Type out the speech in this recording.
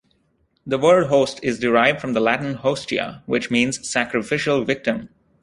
The word "host" is derived from the Latin "hostia", which means "sacrificial victim".